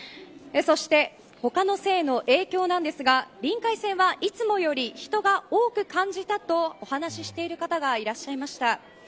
そして他の線への影響なんですがりんかい線はいつもより人が多く感じたとお話している方がいらっしゃいました。